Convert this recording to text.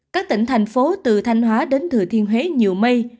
các tỉnh thành phố từ thanh hóa đến thừa thiên huế nhiều mây